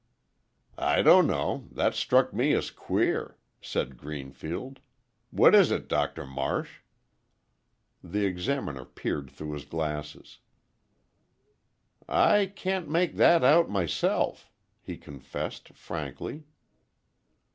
"I don't know—that struck me as queer," said Greenfield. "What is it, Doctor Marsh?" The Examiner peered through his glasses. "I can't make that out, myself," he confessed, frankly.